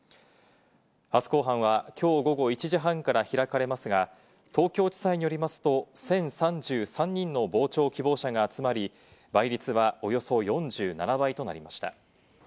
初公判はきょう午後１時半から開かれますが、東京地裁によりますと、１０３３人の傍聴希望者が集まり、倍率はおよそ４７倍となりました。